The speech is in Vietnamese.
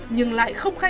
nhưng lại không khó khăn